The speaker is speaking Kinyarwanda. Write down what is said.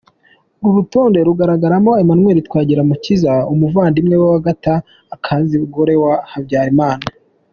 Uru rutonde rugaragaramo Emmanuel Twagirumukiza umuvandimwe wa Agatha Kanziga umugore wa Habyarimana.